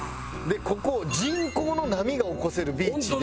ここ人工の波が起こせるビーチで。